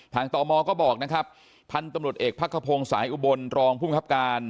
ตมก็บอกนะครับพันธุ์ตำรวจเอกพักขพงศ์สายอุบลรองภูมิครับการ